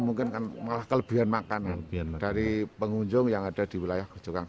mungkin kan malah kelebihan makanan dari pengunjung yang ada di wilayah kerjokan